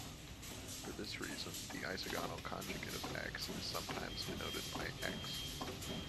For this reason, the isogonal conjugate of "X" is sometimes denoted by "X".